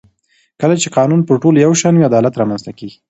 کله چې قانون پر ټولو یو شان وي عدالت رامنځته کېږي